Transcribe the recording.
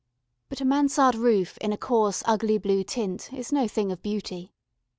But a Mansard roof in a coarse ugly blue tint, is no thing of beauty.